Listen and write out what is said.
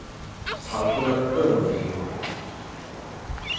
跑出了俄文用戶